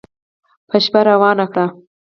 په شپه روانه کړه